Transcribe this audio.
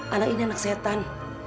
anak ini anak setan